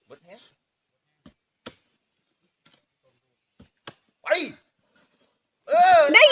โอ้ยโอ้ย